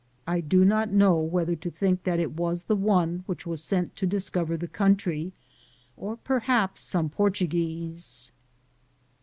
I do not know whether to think that it was the one which was sent to discover the country, or perhaps some Portuguese.